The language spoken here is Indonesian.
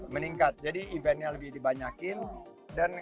meningkat jadi eventnya lebih dibanyakin dan